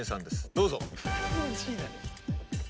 どうぞ。